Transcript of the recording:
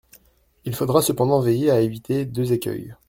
Il faudra cependant veiller à éviter deux écueils.